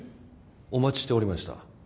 お待ちしておりました。